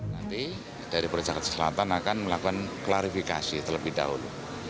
nanti dari perancara selatan akan melakukan klarifikasi terlebih dahulu